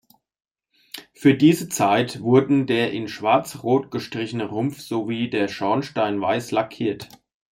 Für diese Zeit wurden der in schwarz-rot gestrichene Rumpf sowie der Schornstein weiß lackiert.